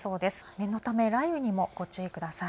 念のため雷雨にもご注意ください。